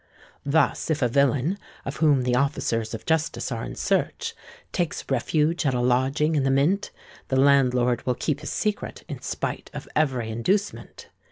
Thus, if a villain, of whom the officers of justice are in search, takes refuge at a lodging in the Mint, the landlord will keep his secret in spite of every inducement.